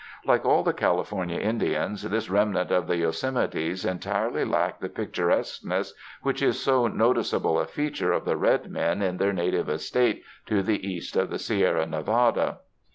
Like all the California Indians, this remnant of the Yosemites entirely lack the picturesqueness which is so notice able a feature of the red men in their native estate to the east of the Sierra Nevada.